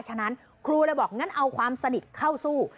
ฉะนั้นครูเลยบอกงั้นเอาความสนิทเข้าสู้